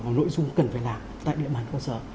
vào nội dung cần phải làm tại địa bàn cơ sở